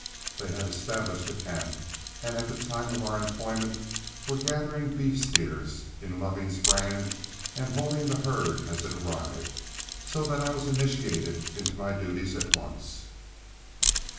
They had established a camp, and at the time of our employment were gathering beef steers in Loving's brand and holding the herd as it arrived, so that I was initiated into my duties at once.